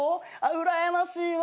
うらやましいわ。